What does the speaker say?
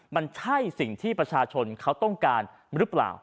มันใช่สิ่งที่ประชาชนเขาต้องการหรือเปล่า